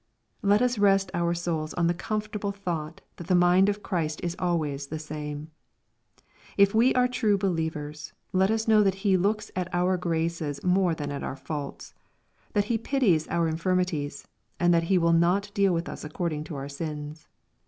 Lei us rest our souls on the comfortable thought that the mind of Christ is always the same. If we are true believers, let us know that He looks at our graces more than at our faults, that He pities our infirmities, and that He will not deal with us according to our sins.